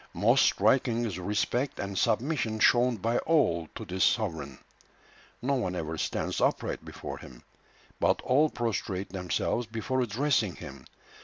Most striking is the respect and submission shown by all to this sovereign. No one ever stands upright before him, but all prostrate themselves before addressing him.